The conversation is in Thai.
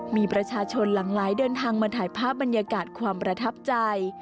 มีประชาชนหลังไหลเดินทางมาถ่ายภาพบรรยากาศความประทับใจ